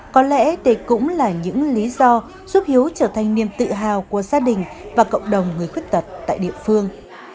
có lẽ đây cũng là những lý do giúp hiếu trở thành niềm tự hào của gia đình và cộng đồng người khuyết tật tại địa phương